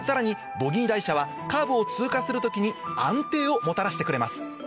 ボギー台車はカーブを通過する時に安定をもたらしてくれます